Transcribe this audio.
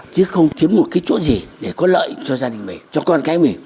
chứ không kiếm một cái chỗ gì để có lợi cho gia đình mình cho con cái mình